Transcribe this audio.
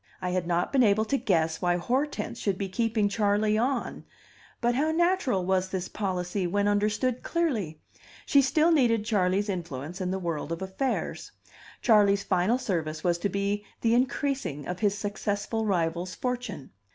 I had not been able to guess why Hortense should be keeping Charley "on"; but how natural was this policy, when understood clearly! She still needed Charley's influence in the world of affairs. Charley's final service was to be the increasing of his successful rival's fortune.